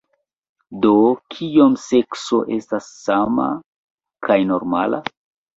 Do, Kiom sekso estas sana kaj normala?